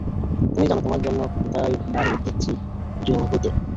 তুমি জানো তোমার জন্য কোথায় বাড়ি দেখছি, জুহুতে।